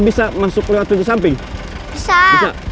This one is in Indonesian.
di sparrow cafe aja ya